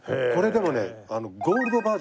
これでもね。